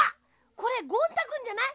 これゴン太くんじゃない？